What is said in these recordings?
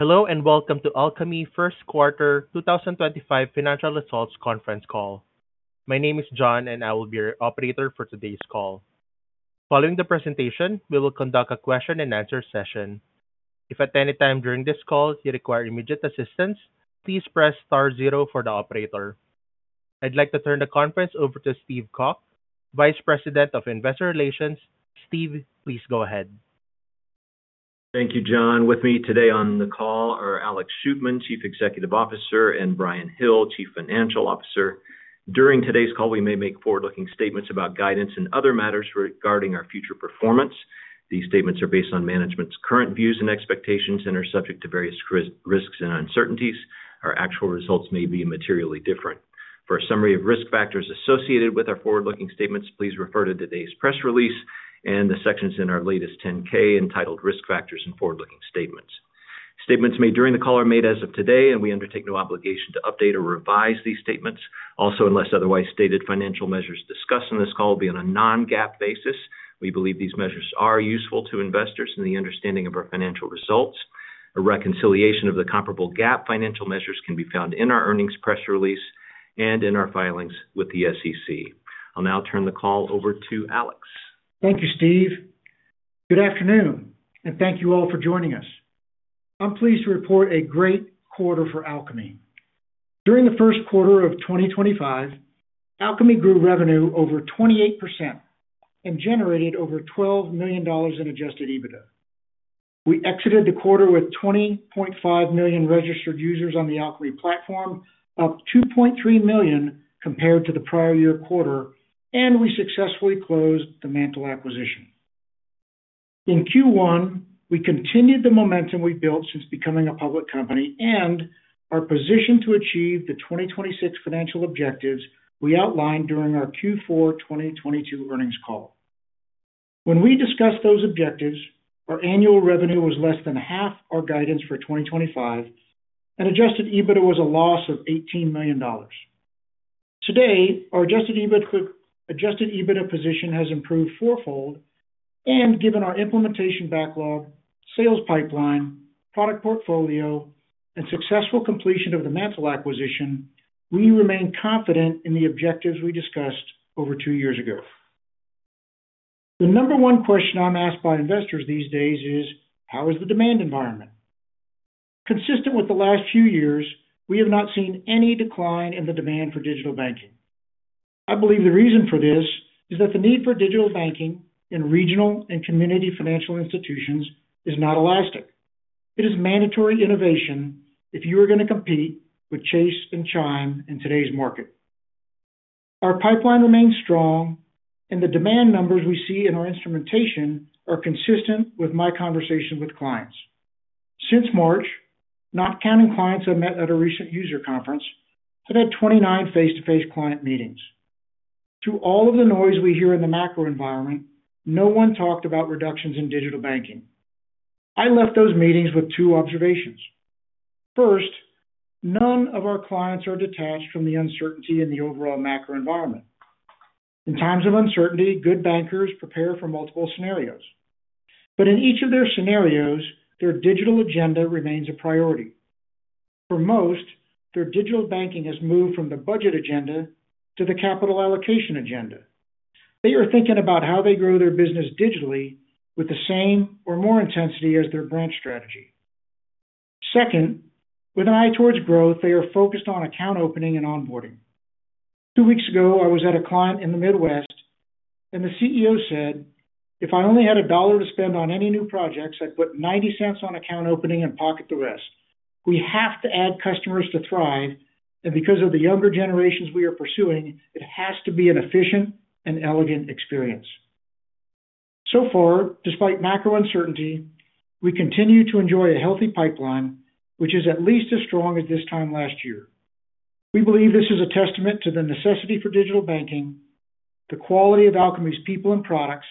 Hello and welcome to Alkami First Quarter 2025 Financial Results Conference Call. My name is John, and I will be your operator for today's call. Following the presentation, we will conduct a question and answer session. If at any time during this call you require immediate assistance, please press star zero for the operator. I'd like to turn the conference over to Steve Calk, Vice President of Investor Relations. Steve, please go ahead. Thank you, John. With me today on the call are Alex Shootman, Chief Executive Officer, and Bryan Hill, Chief Financial Officer. During today's call, we may make forward-looking statements about guidance and other matters regarding our future performance. These statements are based on management's current views and expectations and are subject to various risks and uncertainties. Our actual results may be materially different. For a summary of risk factors associated with our forward-looking statements, please refer to today's press release and the sections in our latest 10-K entitled Risk Factors and Forward-Looking Statements. Statements made during the call are made as of today, and we undertake no obligation to update or revise these statements. Also, unless otherwise stated, financial measures discussed in this call will be on a non-GAAP basis. We believe these measures are useful to investors in the understanding of our financial results. A reconciliation of the comparable GAAP financial measures can be found in our earnings press release and in our filings with the SEC. I'll now turn the call over to Alex. Thank you, Steve. Good afternoon, and thank you all for joining us. I'm pleased to report a great quarter for Alkami. During the first quarter of 2025, Alkami grew revenue over 28% and generated over $12 million in adjusted EBITDA. We exited the quarter with 20.5 million registered users on the Alkami platform, up 2.3 million compared to the prior year quarter, and we successfully closed the MANTL acquisition. In Q1, we continued the momentum we built since becoming a public company and are positioned to achieve the 2026 financial objectives we outlined during our Q4 2022 earnings call. When we discussed those objectives, our annual revenue was less than half our guidance for 2025, and adjusted EBITDA was a loss of $18 million. Today, our adjusted EBITDA position has improved fourfold, and given our implementation backlog, sales pipeline, product portfolio, and successful completion of the MANTL acquisition, we remain confident in the objectives we discussed over two years ago. The number one question I'm asked by investors these days is, how is the demand environment? Consistent with the last few years, we have not seen any decline in the demand for digital banking. I believe the reason for this is that the need for digital banking in regional and community financial institutions is not elastic. It is mandatory innovation if you are going to compete with Chase and Chime in today's market. Our pipeline remains strong, and the demand numbers we see in our instrumentation are consistent with my conversation with clients. Since March, not counting clients I met at a recent user conference, I've had 29 face to face client meetings. Through all of the noise we hear in the macro environment, no one talked about reductions in digital banking. I left those meetings with two observations. First, none of our clients are detached from the uncertainty in the overall macro environment. In times of uncertainty, good bankers prepare for multiple scenarios. In each of their scenarios, their digital agenda remains a priority. For most, their digital banking has moved from the budget agenda to the capital allocation agenda. They are thinking about how they grow their business digitally with the same or more intensity as their branch strategy. Second, with an eye towards growth, they are focused on account opening and onboarding. Two weeks ago, I was at a client in the Midwest, and the CEO said, "If I only had a dollar to spend on any new projects, I'd put $0.90 on account opening and pocket the rest." We have to add customers to thrive, and because of the younger generations we are pursuing, it has to be an efficient and elegant experience. So far, despite macro uncertainty, we continue to enjoy a healthy pipeline, which is at least as strong as this time last year. We believe this is a testament to the necessity for digital banking, the quality of Alkami's people and products,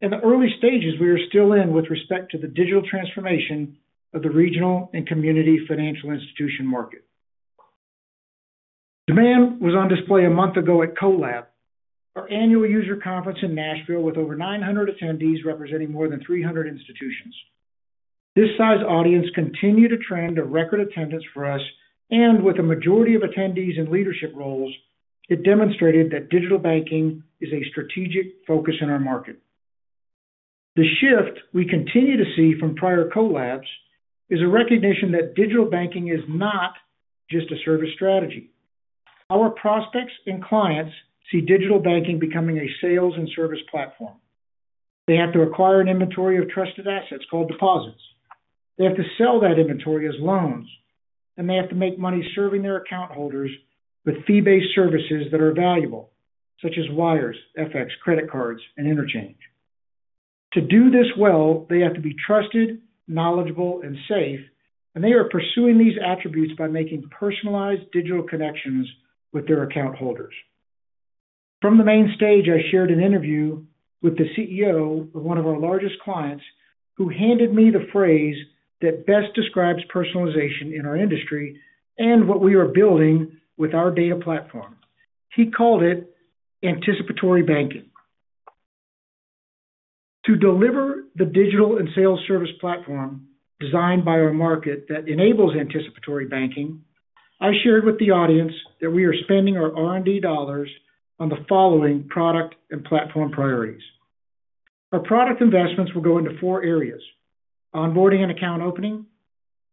and the early stages we are still in with respect to the digital transformation of the regional and community financial institution market. Demand was on display a month ago at Co:lab our annual user conference in Nashville with over 900 attendees representing more than 300 institutions. This size audience continued to trend a record attendance for us, and with a majority of attendees in leadership roles, it demonstrated that digital banking is a strategic focus in our market. The shift we continue to see from prior Co:labs is a recognition that digital banking is not just a service strategy. Our prospects and clients see digital banking becoming a sales and service platform. They have to acquire an inventory of trusted assets called deposits. They have to sell that inventory as loans, and they have to make money serving their account holders with fee-based services that are valuable such as wires, FX, credit cards and interchange. To do this well, they have to be trusted, knowledgeable, and safe, and they are pursuing these attributes by making personalized digital connections with their account holders. From the main stage, I shared an interview with the CEO of one of our largest clients who handed me the phrase that best describes personalization in our industry and what we are building with our data platform. He called it anticipatory banking. To deliver the digital and sales service platform designed by our market that enables anticipatory banking, I shared with the audience that we are spending our R&D dollars on the following product and platform priorities. Our product investments will go into four areas: onboarding and account opening,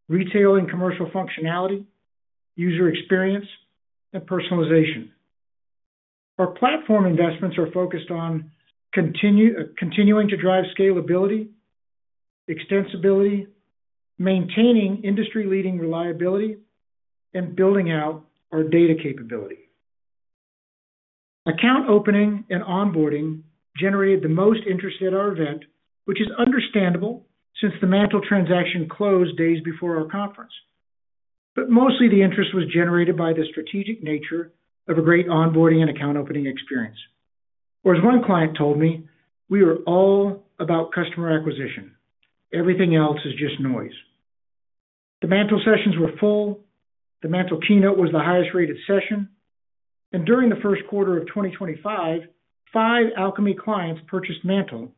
retail and commercial functionality, user experience, and personalization. Our platform investments are focused on continuing to drive scalability, extensibility, maintaining industry-leading reliability, and building out our data capability. Account opening and onboarding generated the most interest at our event, which is understandable since the MANTL transaction closed days before our conference. Mostly, the interest was generated by the strategic nature of a great onboarding and account opening experience. Or, as one client told me, "We are all about customer acquisition. Everything else is just noise." The MANTL sessions were full. The MANTL keynote was the highest-rated session. During the first quarter of 2025, five Alkami clients purchased MANTL,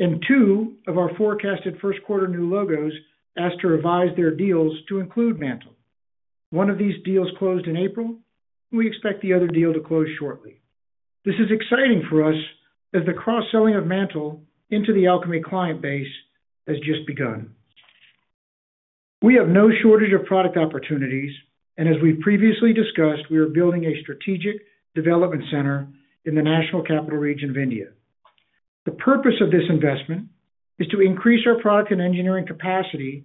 and two of our forecasted first quarter new logos asked to revise their deals to include MANTL. One of these deals closed in April, and we expect the other deal to close shortly. This is exciting for us as the cross-selling of MANTL into the Alkami client base has just begun. We have no shortage of product opportunities, and as we've previously discussed, we are building a strategic development center in the National Capital Region of India. The purpose of this investment is to increase our product and engineering capacity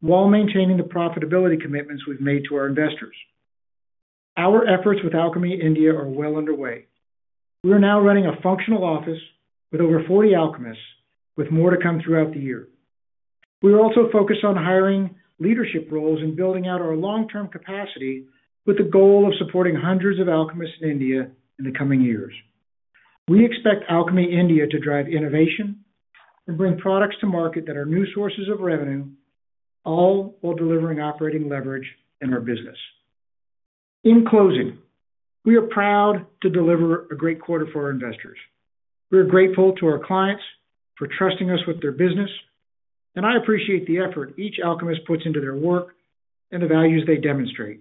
while maintaining the profitability commitments we've made to our investors. Our efforts with Alkami India are well underway. We are now running a functional office with over 40 Alkamists with more to come throughout the year. We are also focused on hiring leadership roles and building out our long-term capacity with the goal of supporting hundreds of Alkamists in India in the coming years. We expect Alkami India to drive innovation and bring products to market that are new sources of revenue, all while delivering operating leverage in our business. In closing, we are proud to deliver a great quarter for our investors. We are grateful to our clients for trusting us with their business, and I appreciate the effort each Alkamist puts into their work and the values they demonstrate.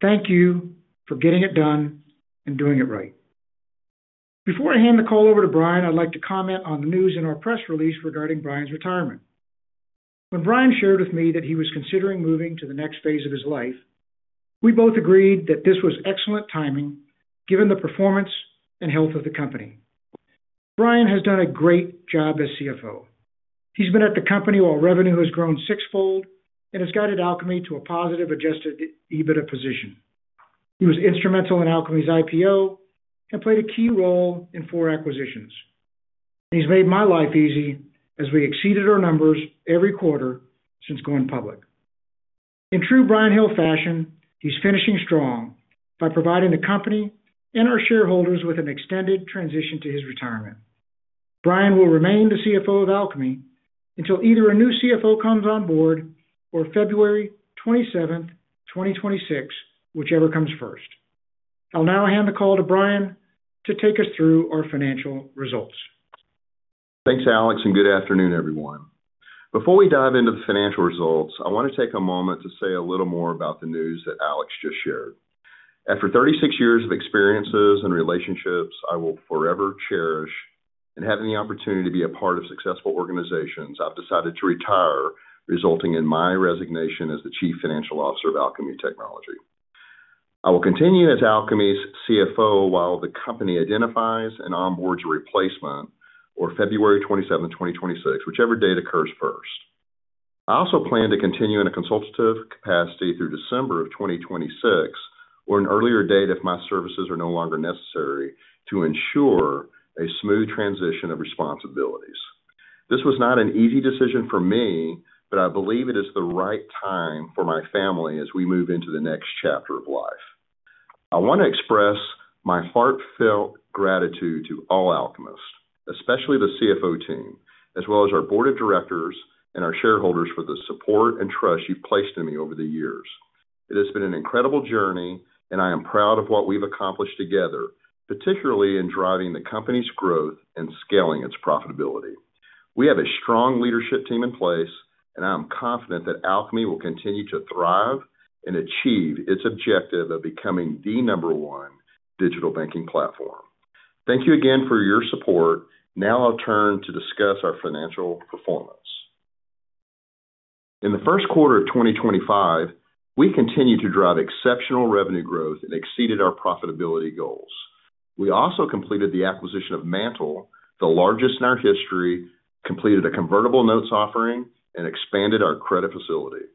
Thank you for getting it done and doing it right. Before I hand the call over to Bryan, I'd like to comment on the news in our press release regarding Bryan's retirement. When Bryan shared with me that he was considering moving to the next phase of his life, we both agreed that this was excellent timing given the performance and health of the company. Bryan has done a great job as CFO. He's been at the company while revenue has grown sixfold and has guided Alkami to a positive adjusted EBITDA position. He was instrumental in Alkami's IPO and played a key role in four acquisitions. He's made my life easy as we exceeded our numbers every quarter since going public. In true Bryan Hill fashion, he's finishing strong by providing the company and our shareholders with an extended transition to his retirement. Bryan will remain the CFO of Alkami until either a new CFO comes on board for February 27, 2026, whichever comes first. I'll now hand the call to Bryan to take us through our financial results. Thanks, Alex, and good afternoon, everyone. Before we dive into the financial results, I want to take a moment to say a little more about the news that Alex just shared. After 36 years of experiences and relationships I will forever cherish and having the opportunity to be a part of successful organizations, I've decided to retire, resulting in my resignation as the Chief Financial Officer of Alkami Technology. I will continue as Alkami's CFO while the company identifies and onboards a replacement for February 27, 2026, whichever date occurs first. I also plan to continue in a consultative capacity through December of 2026 or an earlier date if my services are no longer necessary to ensure a smooth transition of responsibilities. This was not an easy decision for me, but I believe it is the right time for my family as we move into the next chapter of life. I want to express my heartfelt gratitude to all Alkamists, especially the CFO team, as well as our board of directors and our shareholders for the support and trust you've placed in me over the years. It has been an incredible journey, and I am proud of what we've accomplished together, particularly in driving the company's growth and scaling its profitability. We have a strong leadership team in place, and I'm confident that Alkami will continue to thrive and achieve its objective of becoming the number one digital banking platform. Thank you again for your support. Now I'll turn to discuss our financial performance. In the first quarter of 2025, we continued to drive exceptional revenue growth and exceeded our profitability goals. We also completed the acquisition of MANTL, the largest in our history, completed a convertible notes offering, and expanded our credit facility.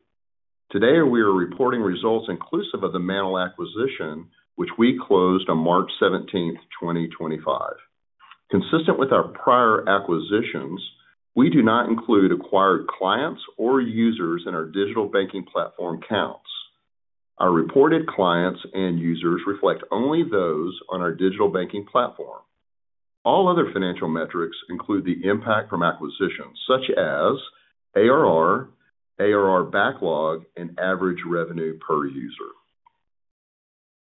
Today, we are reporting results inclusive of the MANTL acquisition, which we closed on March 17, 2025. Consistent with our prior acquisitions, we do not include acquired clients or users in our digital banking platform counts. Our reported clients and users reflect only those on our digital banking platform. All other financial metrics include the impact from acquisitions, such as ARR, ARR backlog, and average revenue per user.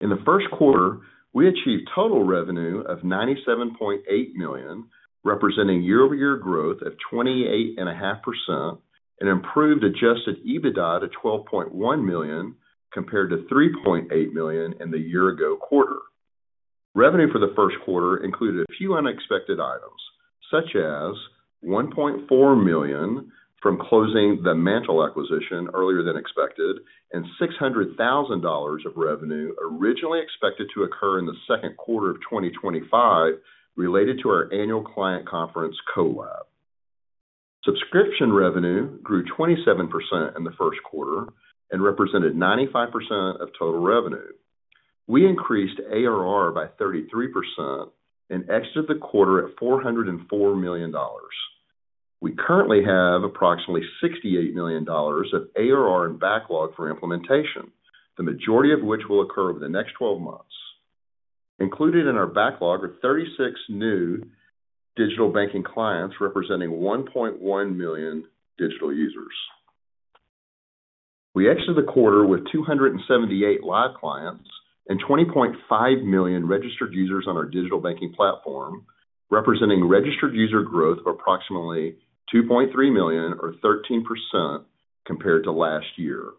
In the first quarter, we achieved total revenue of $97.8 million, representing year-over-year growth of 28.5%, and improved adjusted EBITDA to $12.1 million compared to $3.8 million in the year-ago quarter. Revenue for the first quarter included a few unexpected items, such as $1.4 million from closing the MANTL acquisition earlier than expected and $600,000 of revenue originally expected to occur in the second quarter of 2025 related to our annual client conference Co:lab. Subscription revenue grew 27% in the first quarter and represented 95% of total revenue. We increased ARR by 33% and exited the quarter at $404 million. We currently have approximately $68 million of ARR and backlog for implementation, the majority of which will occur over the next 12 months. Included in our backlog are 36 new digital banking clients representing 1.1 million digital users. We exited the quarter with 278 live clients and 20.5 million registered users on our digital banking platform, representing registered user growth of approximately 2.3 million, or 13%, compared to last year.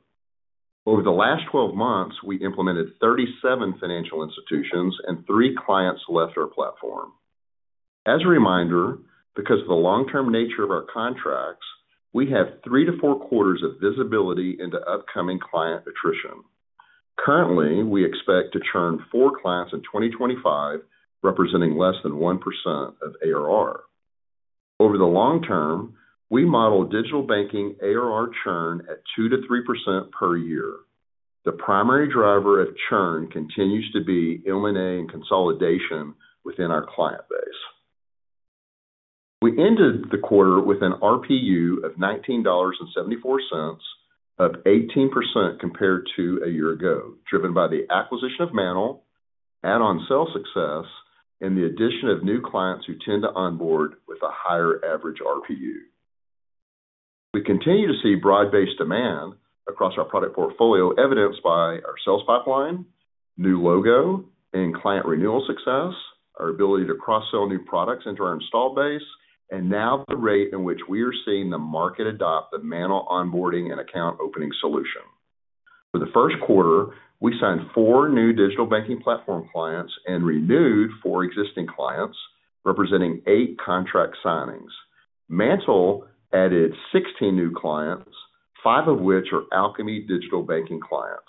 Over the last 12 months, we implemented 37 financial institutions, and three clients left our platform. As a reminder, because of the long term nature of our contracts, we have three to four quarters of visibility into upcoming client attrition. Currently, we expect to churn four clients in 2025, representing less than 1% of ARR. Over the long term, we model digital banking ARR churn at 2%-3% per year. The primary driver of churn continues to be M&A and consolidation within our client base. We ended the quarter with an RPU of $19.74, up 18% compared to a year ago, driven by the acquisition of MANTL, add-on sales success, and the addition of new clients who tend to onboard with a higher average RPU. We continue to see broad-based demand across our product portfolio, evidenced by our sales pipeline, new logo, and client renewal success, our ability to cross-sell new products into our install base, and now the rate in which we are seeing the market adopt the MANTL onboarding and account opening solution. For the first quarter, we signed four new digital banking platform clients and renewed four existing clients, representing eight contract signings. MANTL added 16 new clients, five of which are Alkami digital banking clients.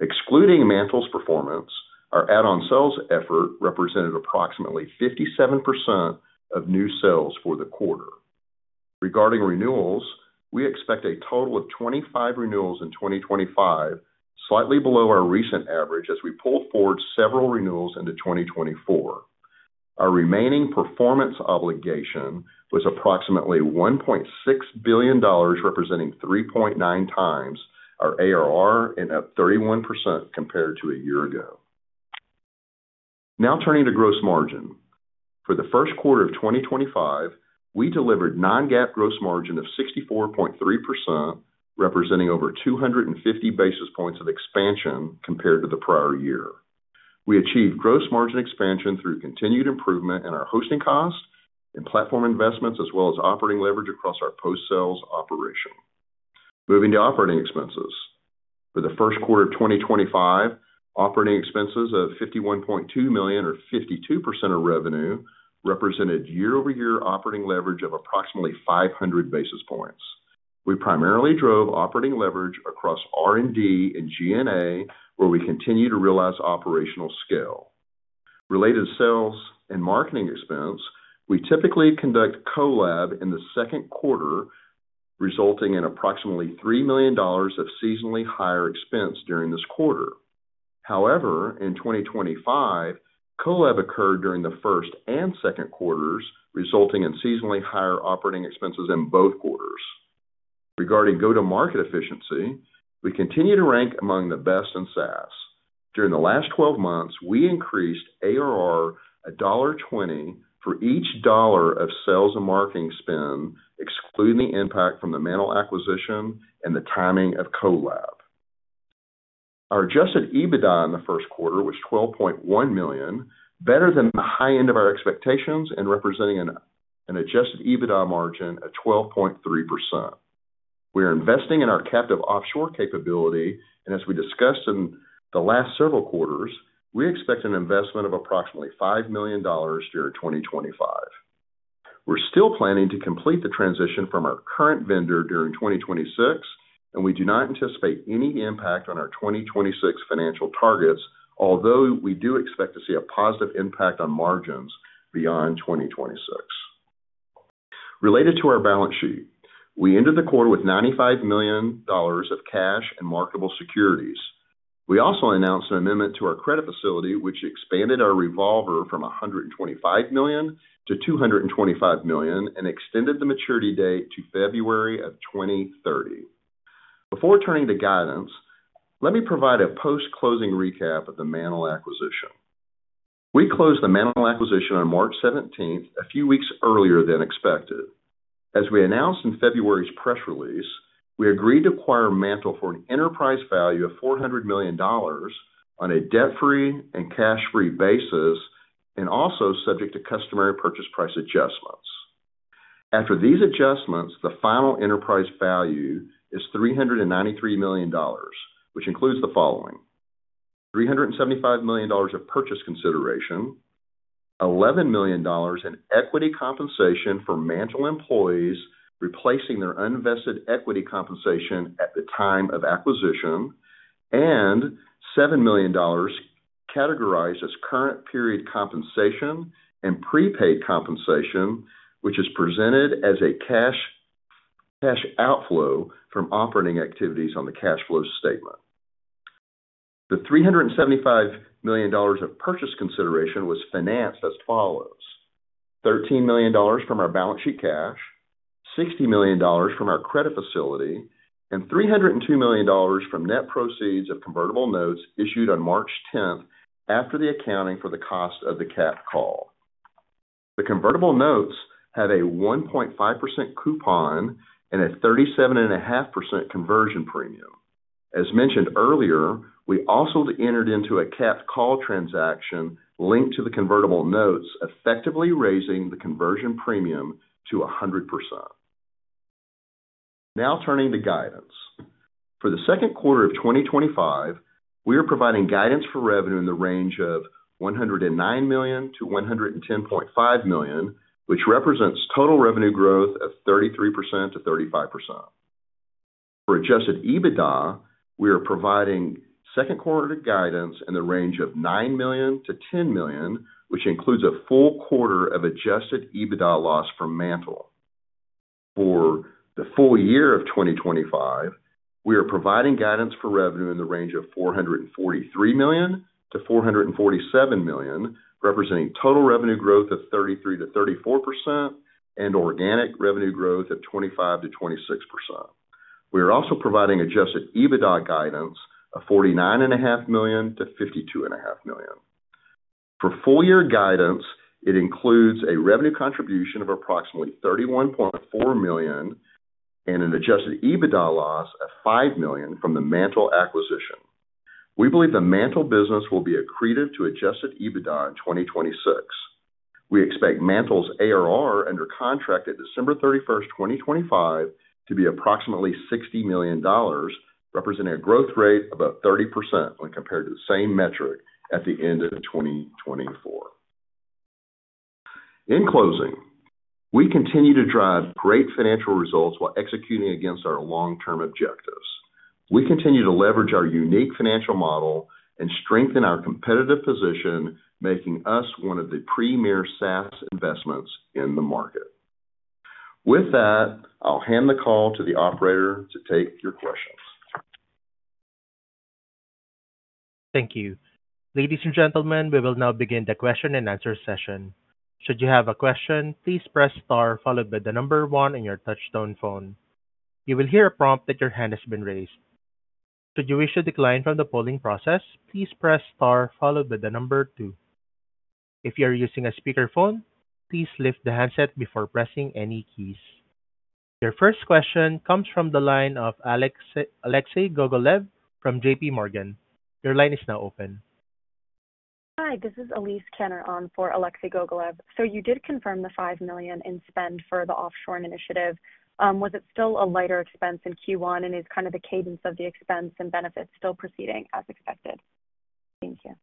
Excluding MANTL's performance, our add-on sales effort represented approximately 57% of new sales for the quarter. Regarding renewals, we expect a total of 25 renewals in 2025, slightly below our recent average as we pulled forward several renewals into 2024. Our remaining performance obligation was approximately $1.6 billion, representing 3.9 times our ARR and up 31% compared to a year ago. Now turning to gross margin. For the first quarter of 2025, we delivered non-GAAP gross margin of 64.3%, representing over 250 basis points of expansion compared to the prior year. We achieved gross margin expansion through continued improvement in our hosting costs and platform investments, as well as operating leverage across our post-sales operation. Moving to operating expenses. For the first quarter of 2025, operating expenses of $51.2 million, or 52% of revenue, represented year-over-year operating leverage of approximately 500 basis points. We primarily drove operating leverage across R&D and G&A, where we continue to realize operational scale. Related sales and marketing expense, we typically conduct Co:lab in the second quarter, resulting in approximately $3 million of seasonally higher expense during this quarter. However, in 2025, Co:lab occurred during the first and second quarters, resulting in seasonally higher operating expenses in both quarters. Regarding go-to-market efficiency, we continue to rank among the best in SaaS. During the last 12 months, we increased ARR $1.20 for each dollar of sales and marketing spend, excluding the impact from the MANTL acquisition and the timing of Co:lab. Our adjusted EBITDA in the first quarter was $12.1 million, better than the high end of our expectations and representing an adjusted EBITDA margin of 12.3%. We are investing in our captive offshore capability, and as we discussed in the last several quarters, we expect an investment of approximately $5 million during 2025. We're still planning to complete the transition from our current vendor during 2026, and we do not anticipate any impact on our 2026 financial targets, although we do expect to see a positive impact on margins beyond 2026. Related to our balance sheet, we ended the quarter with $95 million of cash and marketable securities. We also announced an amendment to our credit facility, which expanded our revolver from $125 million to $225 million and extended the maturity date to February of 2030. Before turning to guidance, let me provide a post-closing recap of the MANTL acquisition. We closed the MANTL acquisition on March 17th, a few weeks earlier than expected. As we announced in February's press release, we agreed to acquire MANTL for an enterprise value of $400 million on a debt-free and cash-free basis and also subject to customary purchase price adjustments. After these adjustments, the final enterprise value is $393 million, which includes the following: $375 million of purchase consideration, $11 million in equity compensation for MANTL employees replacing their uninvested equity compensation at the time of acquisition, and $7 million categorized as current period compensation and prepaid compensation, which is presented as a cash outflow from operating activities on the cash flow statement. The $375 million of purchase consideration was financed as follows: $13 million from our balance sheet cash, $60 million from our credit facility, and $302 million from net proceeds of convertible notes issued on March 10th after the accounting for the cost of the capped call. The convertible notes have a 1.5% coupon and a 37.5% conversion premium. As mentioned earlier, we also entered into a capped call transaction linked to the convertible notes, effectively raising the conversion premium to 100%. Now turning to guidance. For the second quarter of 2025, we are providing guidance for revenue in the range of $109 million-$110.5 million, which represents total revenue growth of 33%-35%. For adjusted EBITDA, we are providing second quarter guidance in the range of $9 million-$10 million, which includes a full quarter of adjusted EBITDA loss for MANTL. For the full year of 2025, we are providing guidance for revenue in the range of $443 million-$447 million, representing total revenue growth of 33%-34% and organic revenue growth of 25%-26%. We are also providing adjusted EBITDA guidance of $49.5 million-$52.5 million. For full year guidance, it includes a revenue contribution of approximately $31.4 million and an adjusted EBITDA loss of $5 million from the MANTL acquisition. We believe the MANTL business will be accretive to adjusted EBITDA in 2026. We expect MANTL's ARR under contract at December 31st 2025, to be approximately $60 million, representing a growth rate of about 30% when compared to the same metric at the end of 2024. In closing, we continue to drive great financial results while executing against our long-term objectives. We continue to leverage our unique financial model and strengthen our competitive position, making us one of the premier SaaS investments in the market. With that, I'll hand the call to the operator to take your questions. Thank you. Ladies and gentlemen, we will now begin the question and answer session. Should you have a question, please press star followed by the number one on your touch-tone phone. You will hear a prompt that your hand has been raised. Should you wish to decline from the polling process, please press star followed by the number two. If you are using a speakerphone, please lift the handset before pressing any keys. Your first question comes from the line of Alexei Gogolev from JPMorgan. Your line is now open. Hi, this is Elyse Kanner on for Alexei Gogolev. You did confirm the $5 million in spend for the offshore initiative. Was it still a lighter expense in Q1, and is kind of the cadence of the expense and benefits still proceeding as expected? Thank you.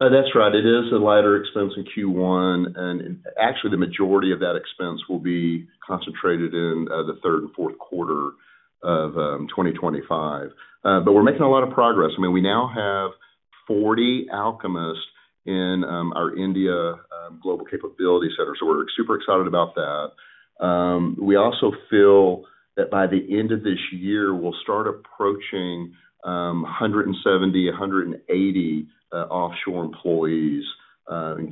That's right. It is a lighter expense in Q1, and actually the majority of that expense will be concentrated in the third and fourth quarter of 2025. I mean, we now have 40 Alkamists in our India Global Capability Center, so we're super excited about that. We also feel that by the end of this year, we'll start approaching 170-180 offshore employees.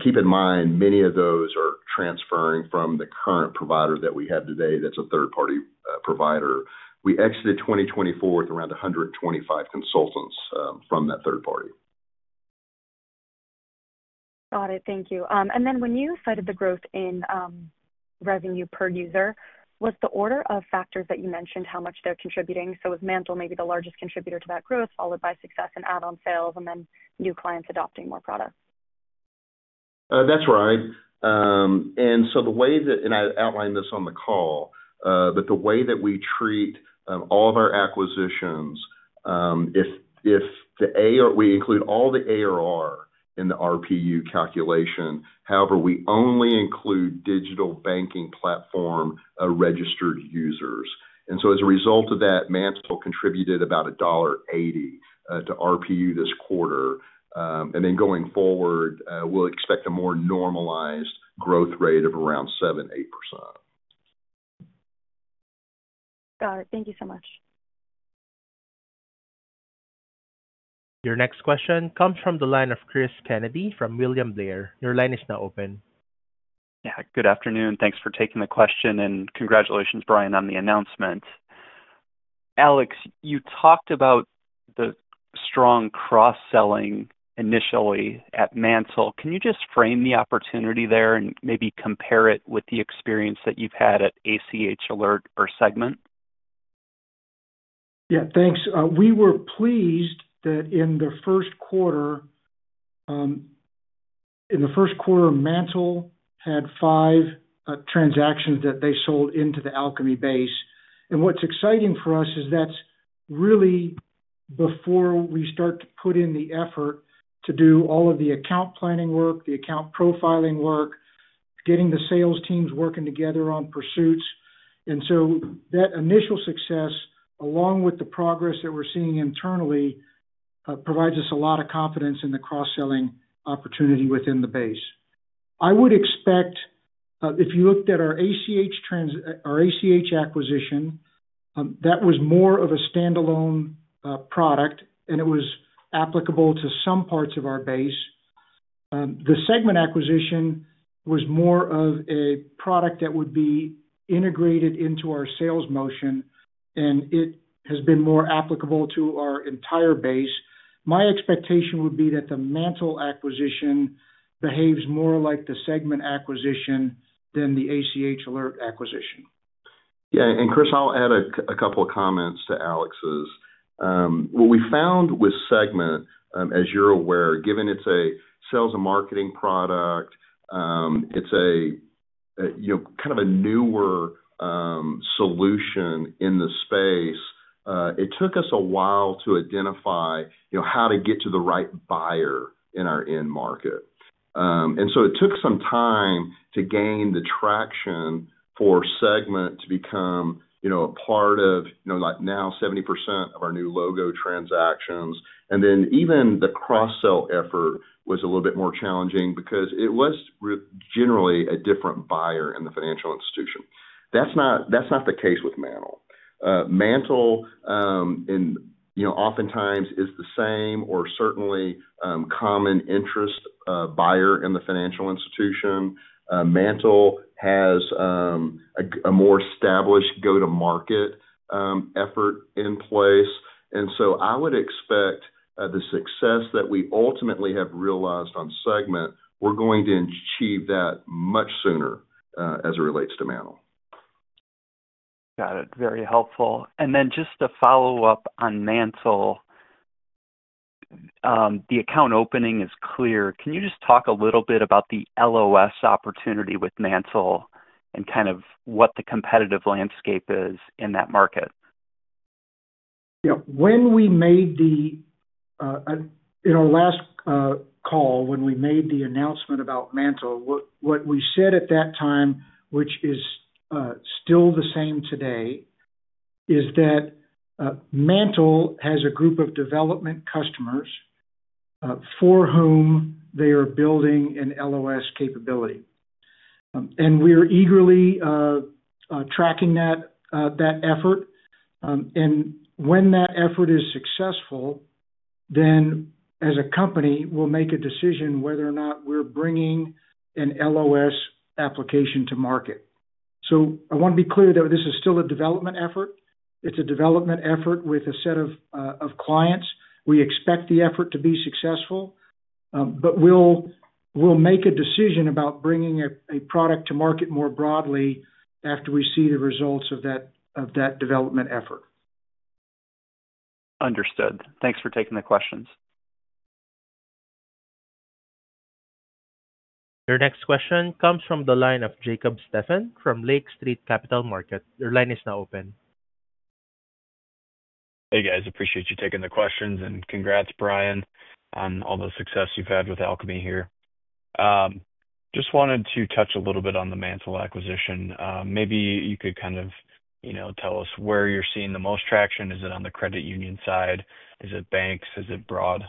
Keep in mind, many of those are transferring from the current provider that we have today. That's a third-party provider. We exited 2024 with around 125 consultants from that third-party. Got it. Thank you. When you cited the growth in revenue per user, was the order of factors that you mentioned how much they're contributing? Was MANTL maybe the largest contributor to that growth, followed by success and add-on sales, and then new clients adopting more products? That's right. The way that, and I outlined this on the call, the way that we treat all of our acquisitions, if the ARR, we include all the ARR in the RPU calculation. However, we only include digital banking platform registered users. As a result of that, MANTL contributed about $1.80 to RPU this quarter. Going forward, we'll expect a more normalized growth rate of around 7%-8%. Got it. Thank you so much. Your next question comes from the line of Cris Kennedy from William Blair. Your line is now open. Yeah. Good afternoon. Thanks for taking the question, and congratulations, Bryan, on the announcement. Alex, you talked about the strong cross-selling initially at MANTL. Can you just frame the opportunity there and maybe compare it with the experience that you've had at ACH Alert or Segmint? Yeah. Thanks. We were pleased that in the first quarter, in the first quarter, MANTL had five transactions that they sold into the Alkami base. What's exciting for us is that's really before we start to put in the effort to do all of the account planning work, the account profiling work, getting the sales teams working together on pursuits. That initial success, along with the progress that we're seeing internally, provides us a lot of confidence in the cross-selling opportunity within the base. I would expect if you looked at our ACH acquisition, that was more of a standalone product, and it was applicable to some parts of our base. The Segmint acquisition was more of a product that would be integrated into our sales motion, and it has been more applicable to our entire base. My expectation would be that the MANTL acquisition behaves more like the Segmint acquisition than the ACH Alert acquisition. Yeah. Cris, I'll add a couple of comments to Alex's. What we found with Segmint, as you're aware, given it's a sales and marketing product, it's kind of a newer solution in the space, it took us a while to identify how to get to the right buyer in our end market. It took some time to gain the traction for Segmint to become a part of now 70% of our new logo transactions. Even the cross-sell effort was a little bit more challenging because it was generally a different buyer in the financial institution. That is not the case with MANTL. MANTL oftentimes is the same or certainly common interest buyer in the financial institution. MANTL has a more established go-to-market effort in place. I would expect the success that we ultimately have realized on Segmint, we are going to achieve that much sooner as it relates to MANTL. Got it. Very helpful. Just to follow up on MANTL, the account opening is clear. Can you just talk a little bit about the LOS opportunity with MANTL and kind of what the competitive landscape is in that market? Yeah. When we made the, in our last call, when we made the announcement about MANTL, what we said at that time, which is still the same today, is that MANTL has a group of development customers for whom they are building an LOS capability. We are eagerly tracking that effort. When that effort is successful, as a company, we'll make a decision whether or not we're bringing an LOS application to market. I want to be clear that this is still a development effort. It's a development effort with a set of clients. We expect the effort to be successful, but we'll make a decision about bringing a product to market more broadly after we see the results of that development effort. Understood. Thanks for taking the questions. Your next question comes from the line of Jacob Stephan from Lake Street Capital Markets. Your line is now open. Hey, guys. Appreciate you taking the questions, and congrats, Bryan, on all the success you've had with Alkami here. Just wanted to touch a little bit on the MANTL acquisition. Maybe you could kind of tell us where you're seeing the most traction. Is it on the credit union side? Is it banks? Is it broad?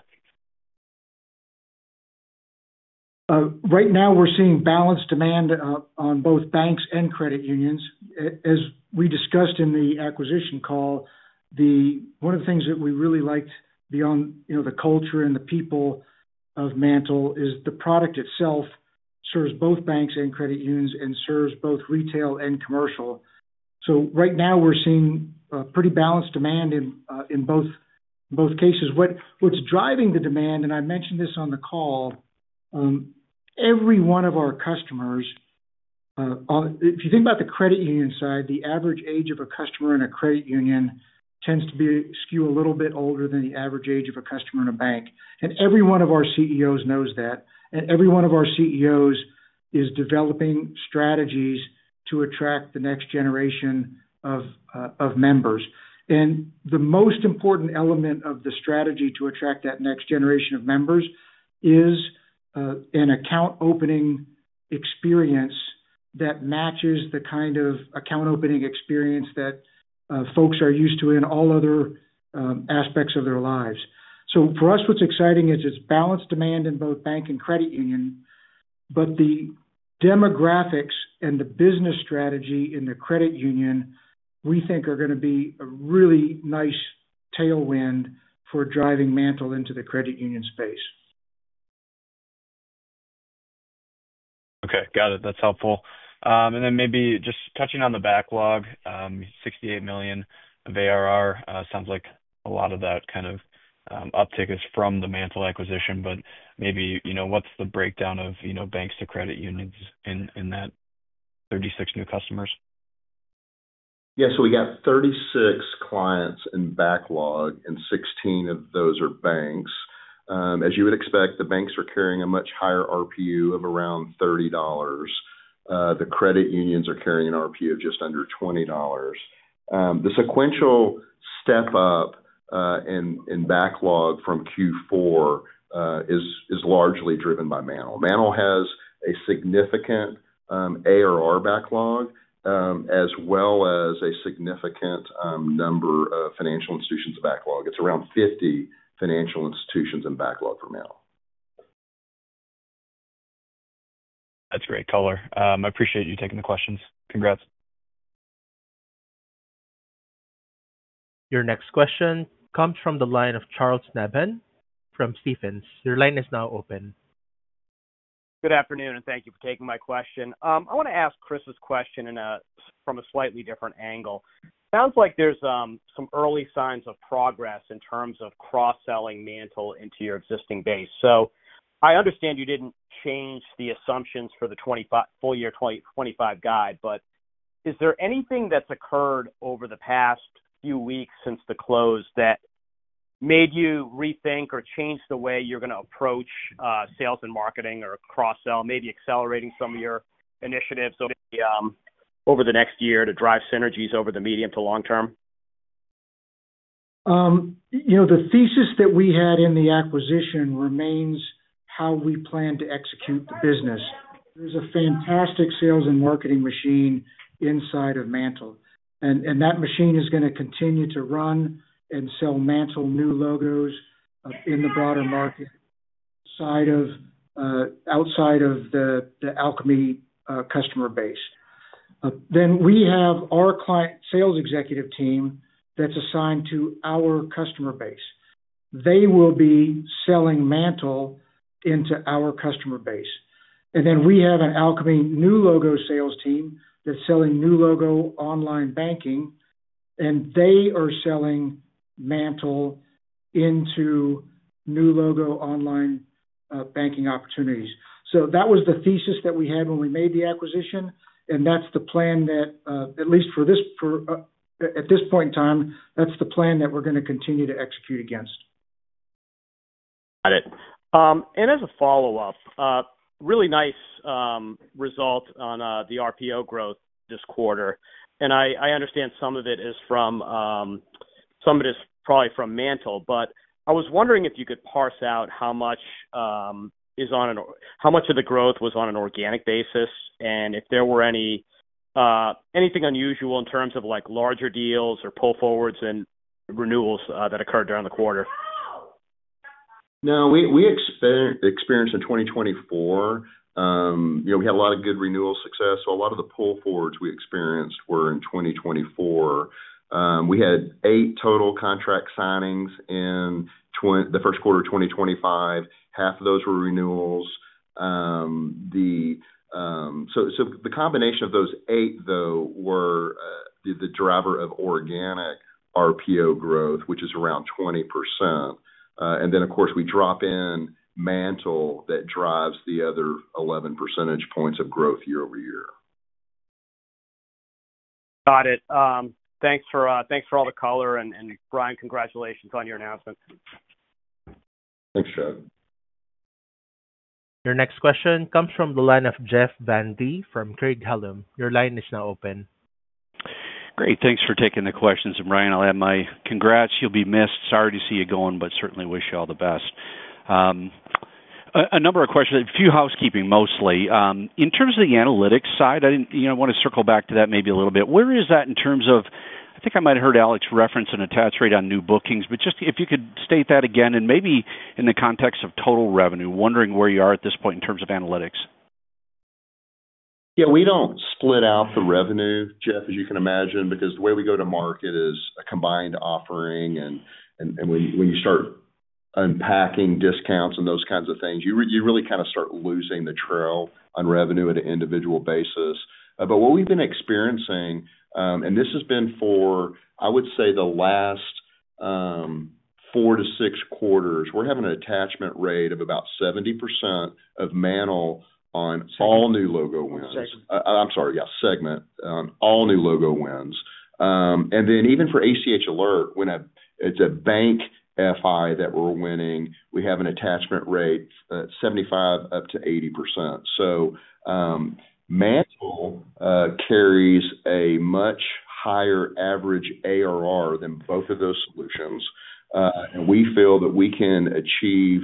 Right now, we're seeing balanced demand on both banks and credit unions. As we discussed in the acquisition call, one of the things that we really liked beyond the culture and the people of MANTL is the product itself serves both banks and credit unions and serves both retail and commercial. Right now, we're seeing pretty balanced demand in both cases. What's driving the demand, I mentioned this on the call, every one of our customers, if you think about the credit union side, the average age of a customer in a credit union tends to skew a little bit older than the average age of a customer in a bank. Every one of our CEOs knows that. Every one of our CEOs is developing strategies to attract the next generation of members. The most important element of the strategy to attract that next generation of members is an account opening experience that matches the kind of account opening experience that folks are used to in all other aspects of their lives. For us, what's exciting is it's balanced demand in both bank and credit union, but the demographics and the business strategy in the credit union, we think, are going to be a really nice tailwind for driving MANTL into the credit union space. Okay. Got it. That's helpful. Maybe just touching on the backlog, $68 million of ARR, sounds like a lot of that kind of uptick is from the MANTL acquisition, but maybe what's the breakdown of banks to credit unions in that 36 new customers? Yeah. We got 36 clients in backlog, and 16 of those are banks. As you would expect, the banks are carrying a much higher RPU of around $30. The credit unions are carrying an RPU of just under $20. The sequential step-up in backlog from Q4 is largely driven by MANTL. MANTL has a significant ARR backlog as well as a significant number of financial institutions backlog. It's around 50 financial institutions in backlog for MANTL. That's great color. I appreciate you taking the questions. Congrats. Your next question comes from the line of Charles Nabhan from Stephens. Your line is now open. Good afternoon, and thank you for taking my question. I want to ask Cris's question from a slightly different angle. Sounds like there's some early signs of progress in terms of cross-selling MANTL into your existing base. I understand you didn't change the assumptions for the full year 2025 guide, but is there anything that's occurred over the past few weeks since the close that made you rethink or change the way you're going to approach sales and marketing or cross-sell, maybe accelerating some of your initiatives over the next year to drive synergies over the medium to long term? The thesis that we had in the acquisition remains how we plan to execute the business. There's a fantastic sales and marketing machine inside of MANTL, and that machine is going to continue to run and sell MANTL new logos in the broader market outside of the Alkami customer base. We have our client sales executive team that's assigned to our customer base. They will be selling MANTL into our customer base. We have an Alkami new logo sales team that's selling new logo online banking, and they are selling MANTL into new logo online banking opportunities. That was the thesis that we had when we made the acquisition, and that's the plan that, at least for at this point in time, that's the plan that we're going to continue to execute against. Got it. As a follow-up, really nice result on the RPO growth this quarter. I understand some of it is from, some of it is probably from MANTL, but I was wondering if you could parse out how much is on, how much of the growth was on an organic basis and if there were anything unusual in terms of larger deals or pull forwards and renewals that occurred during the quarter. No, we experienced in 2024, we had a lot of good renewal success. A lot of the pull forwards we experienced were in 2024. We had eight total contract signings in the first quarter of 2025. Half of those were renewals. The combination of those eight, though, were the driver of organic RPO growth, which is around 20%. Of course, we drop in MANTL that drives the other 11 percentage points of growth year-over-year. Got it. Thanks for all the color. And Bryan, congratulations on your announcement. Thanks, Chuck. Your next question comes from the line of Jeff Van Rhee from Craig-Hallum. Your line is now open. Great. Thanks for taking the questions. And Bryan, I'll add my congrats. You'll be missed. Sorry to see you going, but certainly wish you all the best. A number of questions, a few housekeeping, mostly. In terms of the analytics side, I want to circle back to that maybe a little bit. Where is that in terms of I think I might have heard Alex reference an attach rate on new bookings, but just if you could state that again and maybe in the context of total revenue, wondering where you are at this point in terms of analytics. Yeah. We do not split out the revenue, Jeff, as you can imagine, because the way we go to market is a combined offering. When you start unpacking discounts and those kinds of things, you really kind of start losing the trail on revenue at an individual basis. What we have been experiencing, and this has been for, I would say, the last four to six quarters, we are having an attachment rate of about 70% of MANTL on all new logo wins. I am sorry. Yeah, Segmint. All new logo wins. Even for ACH Alert, when it's a bank FI that we're winning, we have an attachment rate 75%-80%. MANTL carries a much higher average ARR than both of those solutions. We feel that we can achieve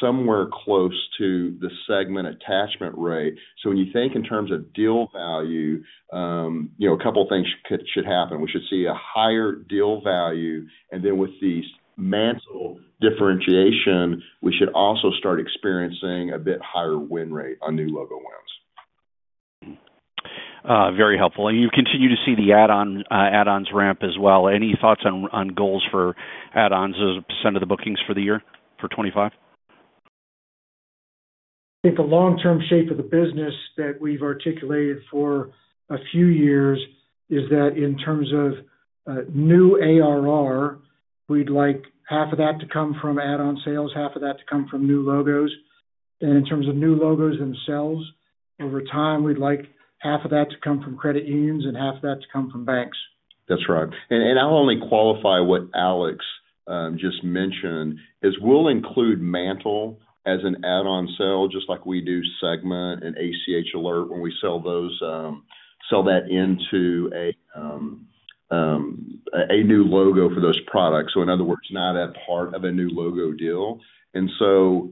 somewhere close to the Segmint attachment rate. When you think in terms of deal value, a couple of things should happen. We should see a higher deal value. With the MANTL differentiation, we should also start experiencing a bit higher win rate on new logo wins. Very helpful. You continue to see the add-ons ramp as well. Any thoughts on goals for add-ons as a percent of the bookings for the year for 2025? I think the long-term shape of the business that we've articulated for a few years is that in terms of new ARR, we'd like half of that to come from add-on sales, half of that to come from new logos. In terms of new logos themselves, over time, we'd like half of that to come from credit unions and half of that to come from banks. That's right. I'll only qualify what Alex just mentioned is we'll include MANTL as an add-on sale, just like we do Segmint and ACH Alert when we sell that into a new logo for those products. In other words, not a part of a new logo deal.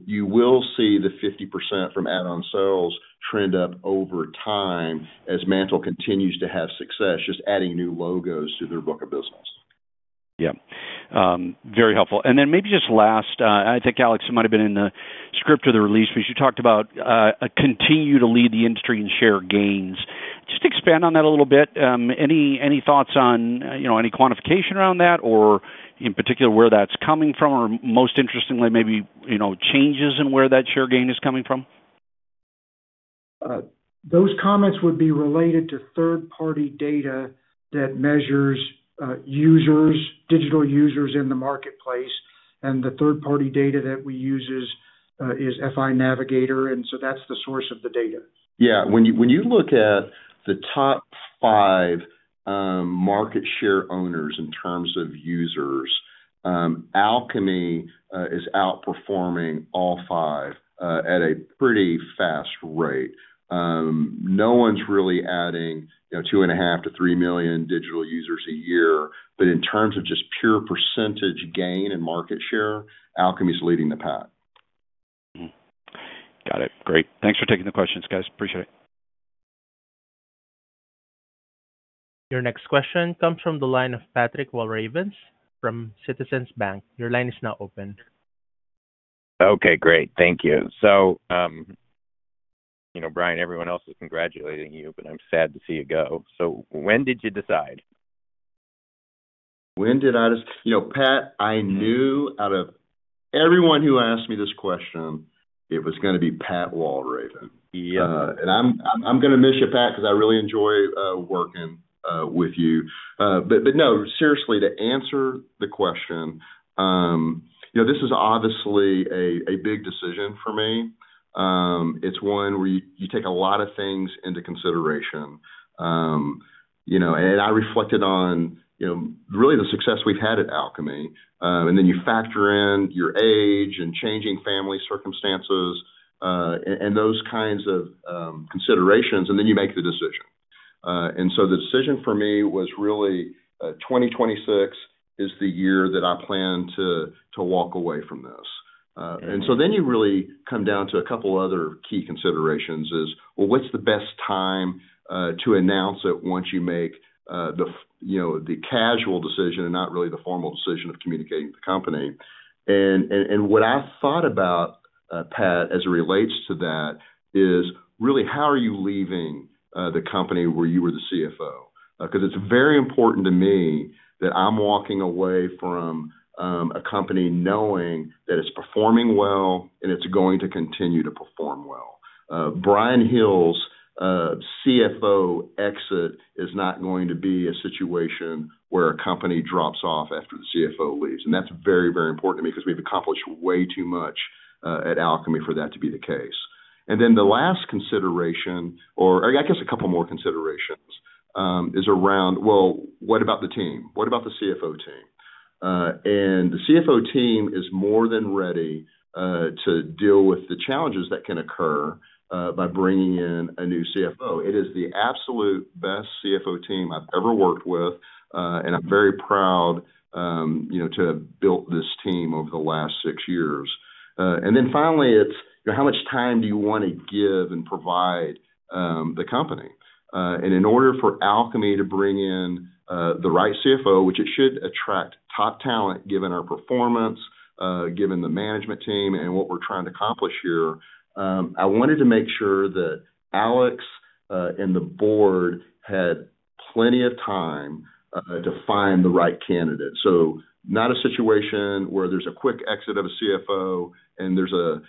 You will see the 50% from add-on sales trend up over time as MANTL continues to have success, just adding new logos to their book of business. Yeah. Very helpful. Maybe just last, I think Alex, it might have been in the script of the release, but you talked about continue to lead the industry in share gains. Just expand on that a little bit. Any thoughts on any quantification around that or in particular where that's coming from or most interestingly, maybe changes in where that share gain is coming from? Those comments would be related to third-party data that measures digital users in the marketplace. The third-party data that we use is FI Navigator. That's the source of the data. Yeah. When you look at the top five market share owners in terms of users, Alkami is outperforming all five at a pretty fast rate. No one's really adding two and a half to three million digital users a year. In terms of just pure percentage gain and market share, Alkami is leading the pack. Got it. Great. Thanks for taking the questions, guys. Appreciate it. Your next question comes from the line of Patrick Walravens from Citizens Bank. Your line is now open. Okay. Great. Thank you. Bryan, everyone else is congratulating you, but I'm sad to see you go. When did you decide? When did I decide? Pat, I knew out of everyone who asked me this question, it was going to be Pat Walravens. I'm going to miss you, Pat, because I really enjoy working with you. No, seriously, to answer the question, this is obviously a big decision for me. It is one where you take a lot of things into consideration. I reflected on really the success we've had at Alkami. You factor in your age and changing family circumstances and those kinds of considerations, and then you make the decision. The decision for me was really 2026 is the year that I plan to walk away from this. You really come down to a couple of other key considerations: what's the best time to announce it once you make the casual decision and not really the formal decision of communicating with the company? What I thought about, Pat, as it relates to that is really how are you leaving the company where you were the CFO? It is very important to me that I'm walking away from a company knowing that it's performing well and it's going to continue to perform well. Bryan Hill's CFO exit is not going to be a situation where a company drops off after the CFO leaves. That is very, very important to me because we've accomplished way too much at Alkami for that to be the case. The last consideration, or I guess a couple more considerations, is around, well, what about the team? What about the CFO team? The CFO team is more than ready to deal with the challenges that can occur by bringing in a new CFO. It is the absolute best CFO team I've ever worked with, and I'm very proud to have built this team over the last six years. Finally, it's how much time do you want to give and provide the company? In order for Alkami to bring in the right CFO, which it should attract top talent given our performance, given the management team, and what we're trying to accomplish here I wanted to make sure that Alex and the board had plenty of time to find the right candidate. Not a situation where there's a quick exit of a CFO and there's a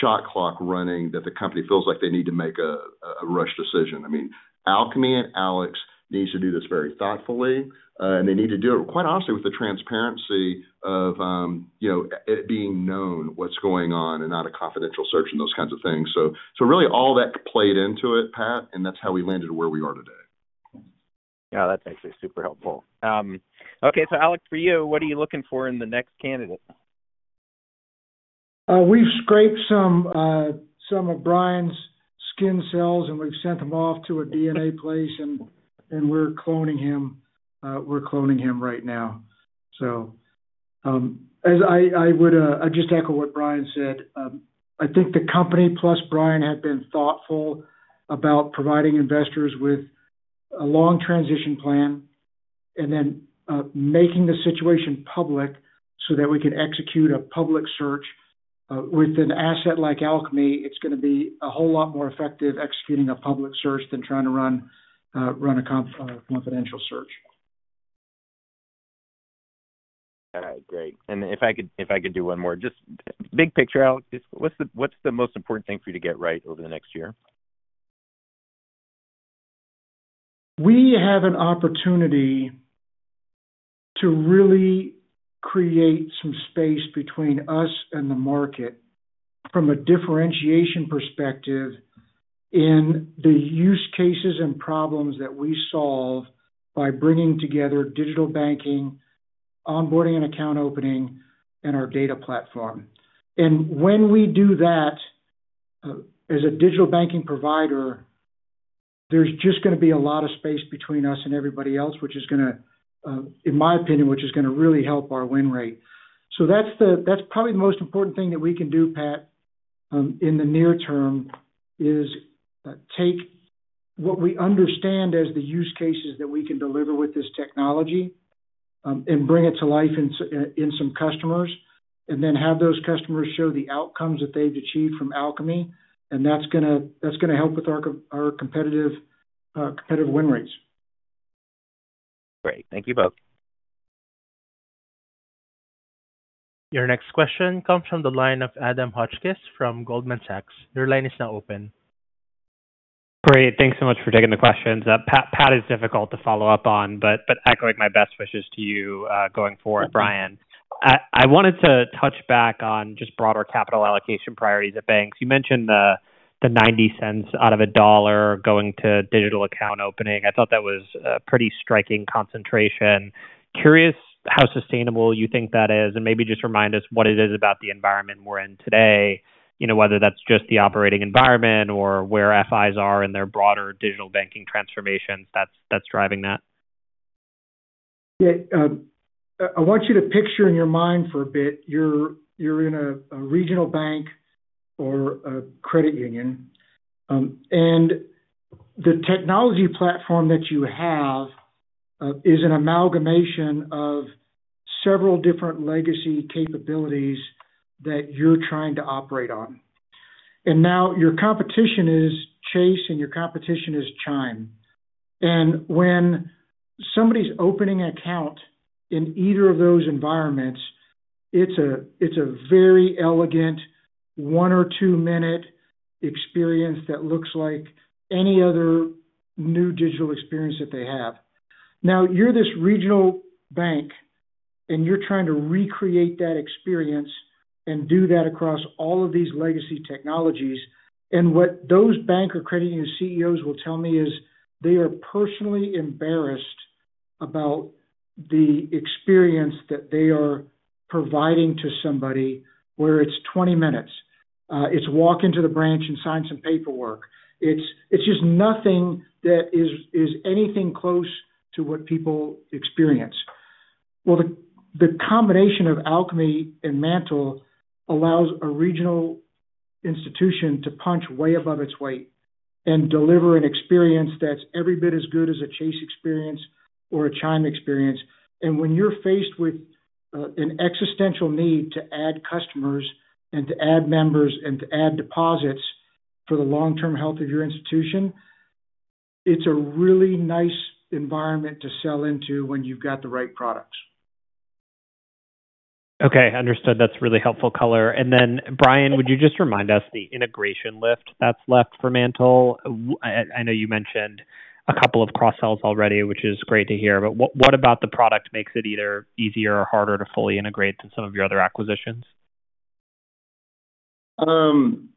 shot clock running that the company feels like they need to make a rush decision. I mean, Alkami and Alex need to do this very thoughtfully, and they need to do it, quite honestly, with the transparency of it being known what's going on and not a confidential search and those kinds of things. Really all that played into it, Pat, and that's how we landed where we are today. Yeah. That's actually super helpful. Okay. Alex, for you, what are you looking for in the next candidate? We've scraped some of Bryan's skin cells, and we've sent them off to a DNA place, and we're cloning him. We're cloning him right now. I would just echo what Bryan said. I think the company plus Bryan had been thoughtful about providing investors with a long transition plan and then making the situation public so that we can execute a public search. With an asset like Alkami, it's going to be a whole lot more effective executing a public search than trying to run a confidential search. All right. Great. If I could do one more, just big picture, Alex, what's the most important thing for you to get right over the next year? We have an opportunity to really create some space between us and the market from a differentiation perspective in the use cases and problems that we solve by bringing together digital banking, onboarding and account opening, and our data platform. When we do that as a digital banking provider, there is just going to be a lot of space between us and everybody else, which is going to, in my opinion, really help our win rate. That is probably the most important thing that we can do, Pat, in the near term is take what we understand as the use cases that we can deliver with this technology and bring it to life in some customers and then have those customers show the outcomes that they have achieved from Alkami. That is going to help with our competitive win rates. Great. Thank you both. Your next question comes from the line of Adam Hotchkiss from Goldman Sachs. Your line is now open. Great. Thanks so much for taking the questions. Pat is difficult to follow up on, but echoing my best wishes to you going forward, Bryan. I wanted to touch back on just broader capital allocation priorities at banks. You mentioned the $0.90 out of a dollar going to digital account opening. I thought that was a pretty striking concentration. Curious how sustainable you think that is and maybe just remind us what it is about the environment we're in today, whether that's just the operating environment or where FIs are and their broader digital banking transformations that's driving that. Yeah. I want you to picture in your mind for a bit, you're in a regional bank or a credit union. The technology platform that you have is an amalgamation of several different legacy capabilities that you're trying to operate on. Now your competition is Chase and your competition is Chime. When somebody's opening an account in either of those environments, it's a very elegant one or two minute experience that looks like any other new digital experience that they have. Now, you're this regional bank, and you're trying to recreate that experience and do that across all of these legacy technologies. What those bank or credit union CEOs will tell me is they are personally embarrassed about the experience that they are providing to somebody where it's 20 minutes. It's walk into the branch and sign some paperwork. It's just nothing that is anything close to what people experience. The combination of Alkami and MANTL allows a regional institution to punch way above its weight and deliver an experience that's every bit as good as a Chase experience or a Chime experience. When you're faced with an existential need to add customers and to add members and to add deposits for the long-term health of your institution, it's a really nice environment to sell into when you've got the right products. Okay. Understood. That's really helpful color. Bryan, would you just remind us the integration lift that's left for MANTL? I know you mentioned a couple of cross-sells already, which is great to hear. What about the product makes it either easier or harder to fully integrate than some of your other acquisitions? In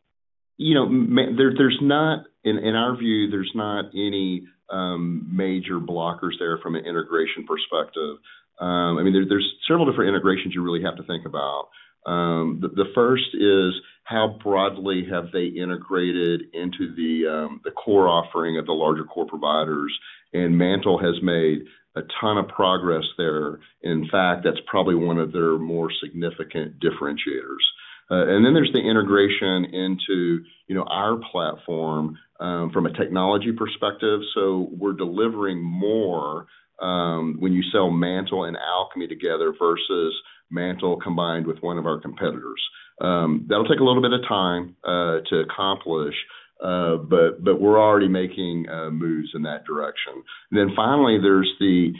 our view, there's not any major blockers there from an integration perspective. I mean, there's several different integrations you really have to think about. The first is how broadly have they integrated into the core offering of the larger core providers? MANTL has made a ton of progress there. In fact, that's probably one of their more significant differentiators. There is the integration into our platform from a technology perspective. We are delivering more when you sell MANTL and Alkami together versus MANTL combined with one of our competitors. That will take a little bit of time to accomplish, but we are already making moves in that direction. Finally, there is the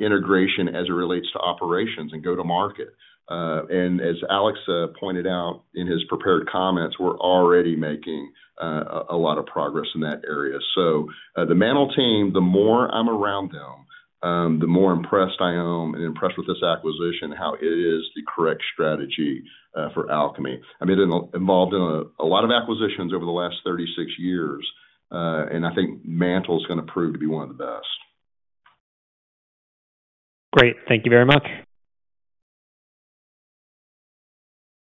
integration as it relates to operations and go-to-market. As Alex pointed out in his prepared comments, we are already making a lot of progress in that area. The MANTL team, the more I'm around them, the more impressed I am and impressed with this acquisition, how it is the correct strategy for Alkami. I mean, it involved a lot of acquisitions over the last 36 years, and I think MANTL is going to prove to be one of the best. Great. Thank you very much.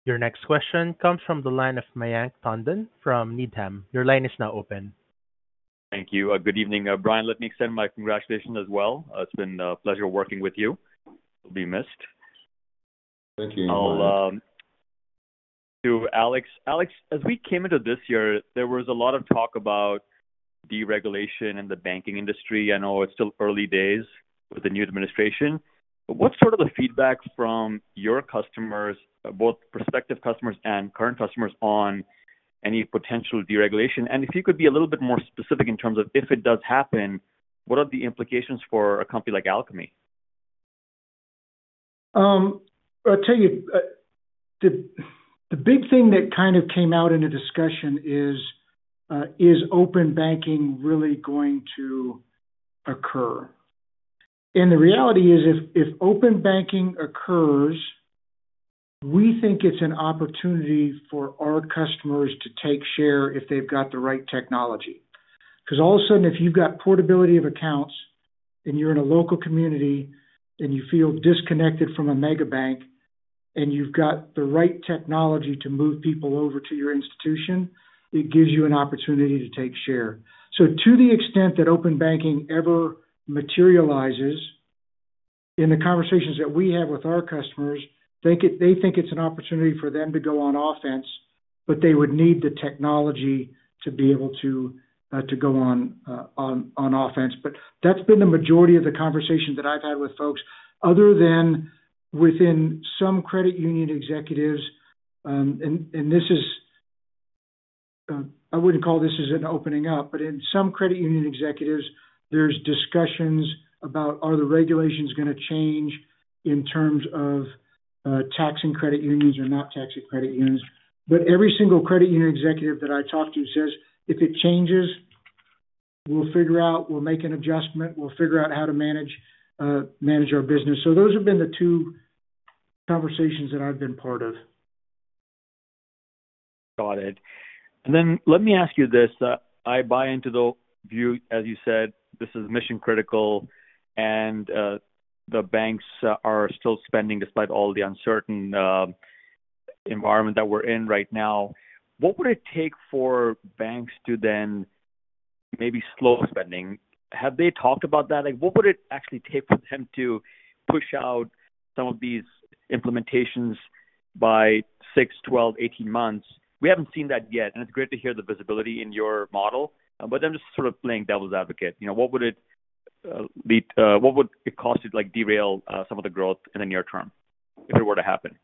Your next question comes from the line of Mayank Tandon from Needham. Your line is now open. Thank you. Good evening, Bryan. Let me extend my congratulations as well. It's been a pleasure working with you. You'll be missed. Thank you. To Alex. Alex, as we came into this year, there was a lot of talk about deregulation in the banking industry. I know it's still early days with the new administration. What's sort of the feedback from your customers, both prospective customers and current customers, on any potential deregulation? If you could be a little bit more specific in terms of if it does happen, what are the implications for a company like Alkami? I'll tell you, the big thing that kind of came out in the discussion is, is open banking really going to occur? The reality is, if open banking occurs, we think it's an opportunity for our customers to take share if they've got the right technology. Because all of a sudden, if you've got portability of accounts and you're in a local community and you feel disconnected from a mega bank and you've got the right technology to move people over to your institution, it gives you an opportunity to take share. To the extent that open banking ever materializes in the conversations that we have with our customers, they think it's an opportunity for them to go on offense, but they would need the technology to be able to go on offense. That's been the majority of the conversation that I've had with folks, other than within some credit union executives. I wouldn't call this as an opening up, but in some credit union executives, there's discussions about, are the regulations going to change in terms of taxing credit unions or not taxing credit unions? Every single credit union executive that I talked to says, "If it changes, we'll figure out, we'll make an adjustment, we'll figure out how to manage our business." Those have been the two conversations that I've been part of. Got it. Let me ask you this. I buy into the view, as you said, this is mission-critical, and the banks are still spending despite all the uncertain environment that we're in right now. What would it take for banks to then maybe slow spending? Have they talked about that? What would it actually take for them to push out some of these implementations by 6, 12, 18 months? We haven't seen that yet, and it's great to hear the visibility in your model, but I'm just sort of playing devil's advocate. What would it cost to derail some of the growth in the near term if it were to happen?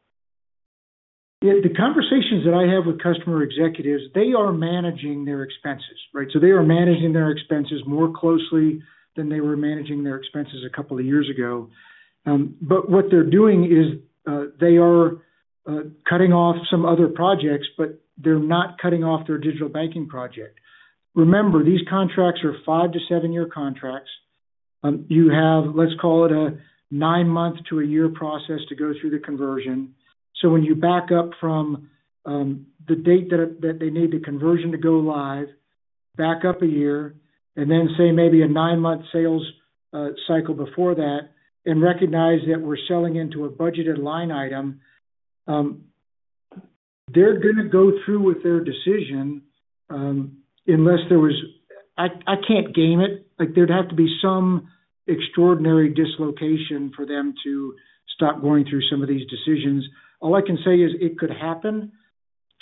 The conversations that I have with customer executives, they are managing their expenses, right? So they are managing their expenses more closely than they were managing their expenses a couple of years ago. What they're doing is they are cutting off some other projects, but they're not cutting off their digital banking project. Remember, these contracts are five to seven year contracts. You have, let's call it, a nine-month to a year process to go through the conversion. When you back up from the date that they need the conversion to go live, back up a year, and then say maybe a nine-month sales cycle before that, and recognize that we're selling into a budgeted line item, they're going to go through with their decision unless there was—I can't game it. There would have to be some extraordinary dislocation for them to stop going through some of these decisions. All I can say is it could happen.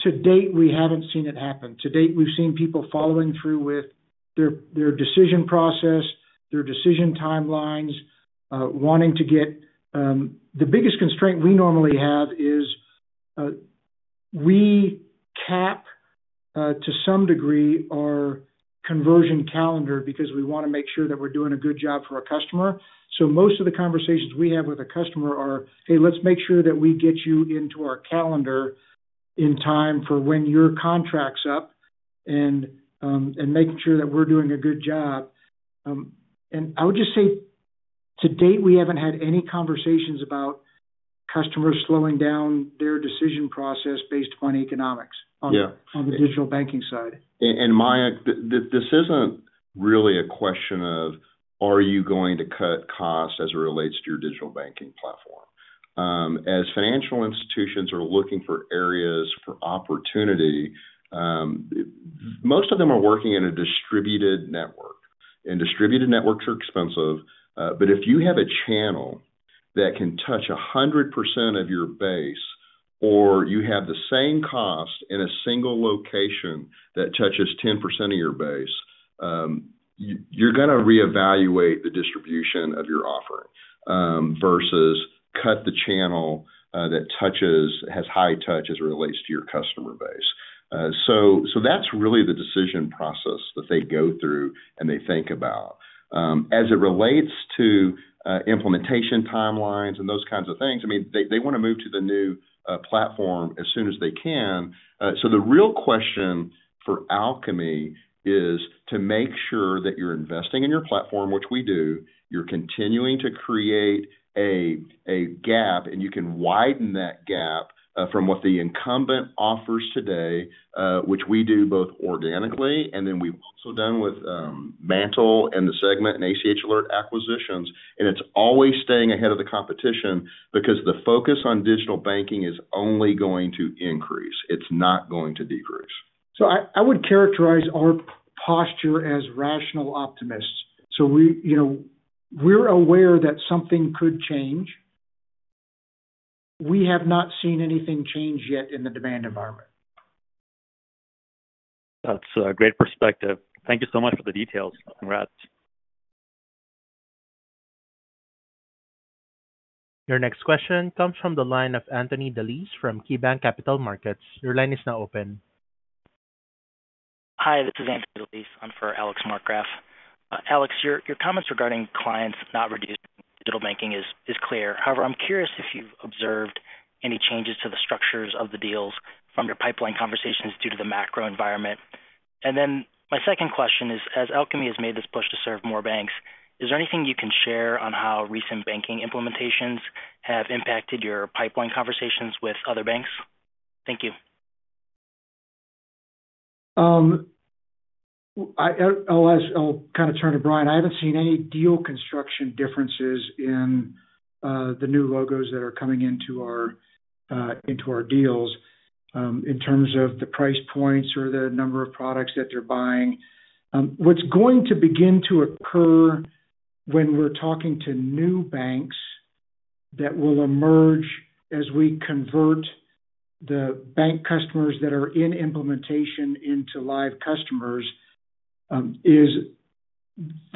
To date, we haven't seen it happen. To date, we've seen people following through with their decision process, their decision timelines, wanting to get the biggest constraint we normally have is we cap to some degree our conversion calendar because we want to make sure that we're doing a good job for a customer. Most of the conversations we have with a customer are, "Hey, let's make sure that we get you into our calendar in time for when your contract's up and making sure that we're doing a good job." I would just say, to date, we haven't had any conversations about customers slowing down their decision process based upon economics on the digital banking side. Mayank, this isn't really a question of, are you going to cut costs as it relates to your digital banking platform? As financial institutions are looking for areas for opportunity, most of them are working in a distributed network. Distributed networks are expensive. If you have a channel that can touch 100% of your base or you have the same cost in a single location that touches 10% of your base, you are going to reevaluate the distribution of your offering versus cut the channel that has high touch as it relates to your customer base. That is really the decision process that they go through and they think about. As it relates to implementation timelines and those kinds of things, I mean, they want to move to the new platform as soon as they can. The real question for Alkami is to make sure that you are investing in your platform, which we do. You're continuing to create a gap, and you can widen that gap from what the incumbent offers today, which we do both organically, and then we've also done with MANTL and the Segmint and ACH Alert acquisitions. It's always staying ahead of the competition because the focus on digital banking is only going to increase. It's not going to decrease. I would characterize our posture as rational optimists. We're aware that something could change. We have not seen anything change yet in the demand environment. That's a great perspective. Thank you so much for the details. Congrats. Your next question comes from the line of Anthony DeLise from KeyBanc Capital Markets. Your line is now open. Hi, this is Anthony DeLise. I'm for Alex Markgraff. Alex, your comments regarding clients not reducing digital banking is clear. However, I'm curious if you've observed any changes to the structures of the deals from your pipeline conversations due to the macro environment. My second question is, as Alkami has made this push to serve more banks, is there anything you can share on how recent banking implementations have impacted your pipeline conversations with other banks? Thank you. I'll kind of turn to Bryan. I haven't seen any deal construction differences in the new logos that are coming into our deals in terms of the price points or the number of products that they're buying. What's going to begin to occur when we're talking to new banks that will emerge as we convert the bank customers that are in implementation into live customers is the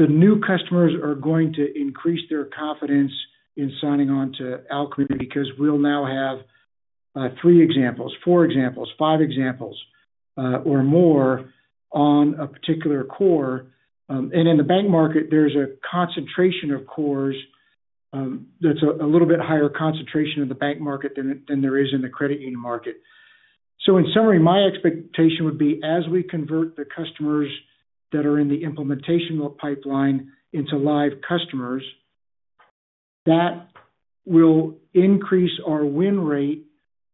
new customers are going to increase their confidence in signing on to Alkami because we'll now have three examples, four examples, five examples, or more on a particular core. In the bank market, there's a concentration of cores that's a little bit higher concentration in the bank market than there is in the credit union market. In summary, my expectation would be as we convert the customers that are in the implementation pipeline into live customers, that will increase our win rate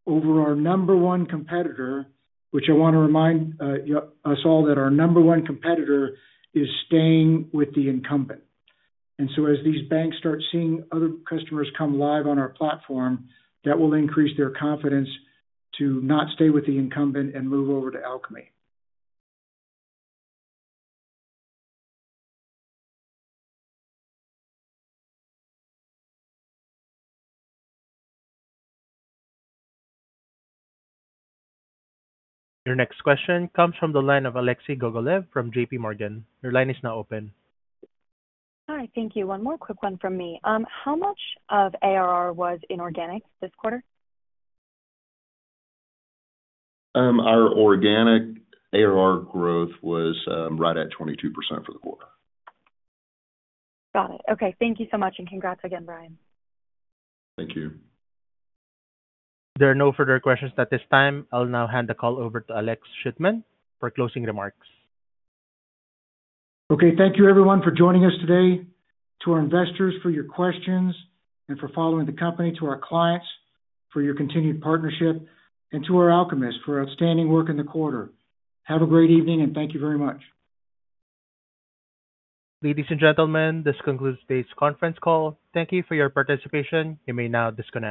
over our number one competitor, which I want to remind us all that our number one competitor is staying with the incumbent. As these banks start seeing other customers come live on our platform, that will increase their confidence to not stay with the incumbent and move over to Alkami. Your next question comes from the line of Alexei Gogolev from JPMorgan. Your line is now open. Hi. Thank you. One more quick one from me. How much of ARR was inorganic this quarter? Our organic ARR growth was right at 22% for the quarter. Got it. Okay. Thank you so much. And congrats again, Bryan. Thank you. There are no further questions at this time. I'll now hand the call over to Alex Shootman for closing remarks. Thank you, everyone, for joining us today, to our investors for your questions and for following the company, to our clients for your continued partnership, and to our Alkamists for outstanding work in the quarter. Have a great evening, and thank you very much. Ladies and gentlemen, this concludes today's conference call. Thank you for your participation. You may now disconnect.